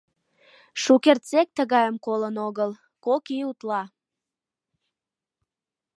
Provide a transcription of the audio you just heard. Шукертсек тыгайым колын огыл — кок ий утла.